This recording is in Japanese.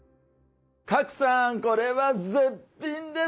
賀来さんこれは絶品ですよ。